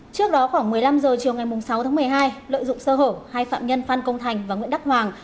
trước đó khoảng một mươi năm h chiều ngày sáu tháng một mươi hai lợi dụng sơ hở hai phạm nhân phan công thành và nguyễn đắc hoàng